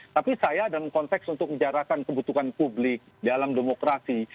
tapi saya dalam konteks untuk menjarakan kebutuhan publik dalam demokrasi